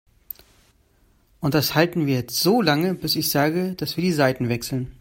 Und das halten wir jetzt so lange, bis ich sage, dass wir die Seiten wechseln.